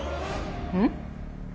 うん？